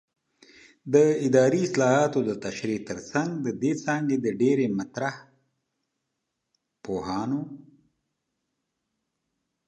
د اداري اصطلاحاتو د تشریح ترڅنګ د دې څانګې د ډېری مطرح پوهانو